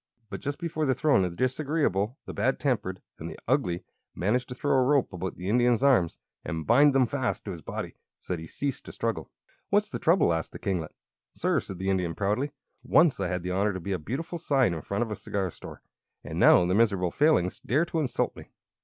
But just before the throne the Disagreeable, the Bad Tempered, and the Ugly managed to throw a rope about the Indian's arms and bind them fast to his body, so that he ceased to struggle. "What's the trouble?" asked the kinglet. "Sir," said the Indian, proudly; "once I had the honor to be a beautiful sign in front of a cigar store, and now these miserable Failings dare to insult me."